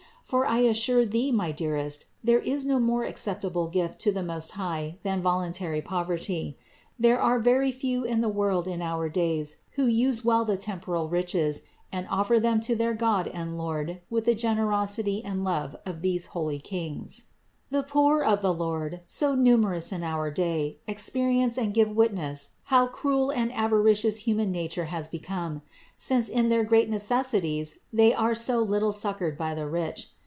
For I assure thee, my dearest, there is no more acceptable gift to the Most High than voluntary poverty. There are very few in the world in our days who use well the temporal riches and offer them to their God and Lord with the generosity and love of these holy Kings. The THE INCARNATION 483 poor of the Lord, so numerous in our day, experience and give witness how cruel and avaricious human nature has become; since in their great necessities they are so little succored by the rich.